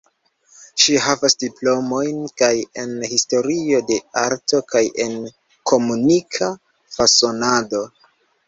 Ŝi havas diplomojn kaj en Historio de Arto kaj en Komunika Fasonado.